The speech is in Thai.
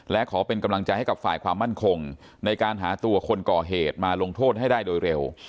และขอเป็นกำลังใจให้กับฝ่ายความมั่นคงในการหาตัวคนก่อเหตุมาลงโทษให้ได้โดยเร็ว